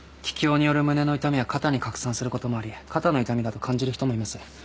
気胸による胸の痛みは肩に拡散することもあり肩の痛みだと感じる人もいます。